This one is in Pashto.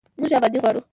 موږ ابادي غواړو